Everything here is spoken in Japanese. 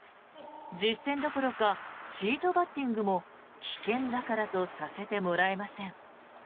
実戦どころかシートバッティングも危険だからとさせてもらえません。